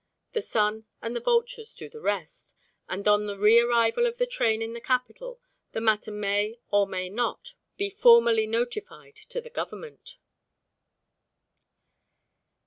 The sun and the vultures do the rest, and on the re arrival of the train in the capital the matter may or may not be formally notified to the Government.